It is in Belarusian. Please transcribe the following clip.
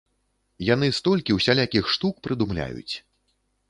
Яны столькі усялякіх штук прыдумляюць.